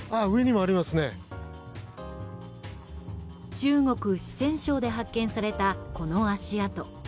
中国・四川省で発見されたこの足跡。